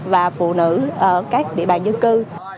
và phụ nữ ở các địa bàn dân cư